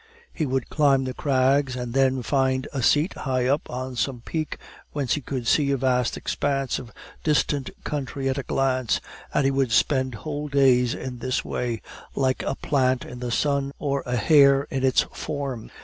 He would climb the crags, and then find a seat high up on some peak whence he could see a vast expanse of distant country at a glance, and he would spend whole days in this way, like a plant in the sun, or a hare in its form.